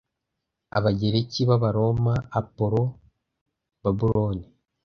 Abagereki b'Abaroma Apollo Babuloni